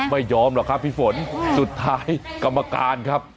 ไม่ยอมหรอกครับพี่ฝนสุดท้ายกรรมการครับ